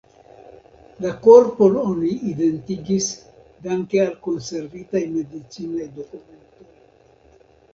La korpon oni identigis danke al konservitaj medicinaj dokumentoj.